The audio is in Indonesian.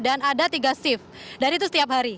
dan ada tiga shift dan itu setiap hari